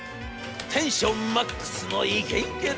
テンションマックスのイケイケドンドン。